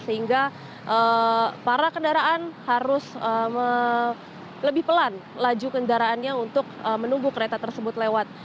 sehingga para kendaraan harus lebih pelan laju kendaraannya untuk menunggu kereta tersebut lewat